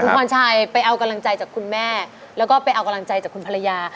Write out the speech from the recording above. คุณพรชัยไปเอากำลังใจจากคุณแม่แล้วก็ไปเอากำลังใจจากคุณภรรยา